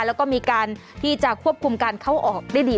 แล้วก็มีการที่จะควบคุมการเข้าออกได้ดี